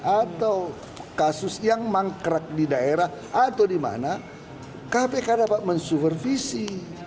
atau kasus yang mangkrak di daerah atau di mana kpk dapat mensupervisi